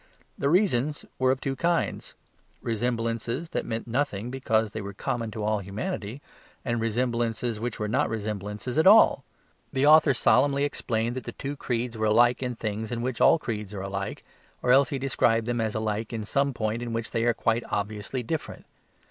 The reasons were of two kinds: resemblances that meant nothing because they were common to all humanity, and resemblances which were not resemblances at all. The author solemnly explained that the two creeds were alike in things in which all creeds are alike, or else he described them as alike in some point in which they are quite obviously different.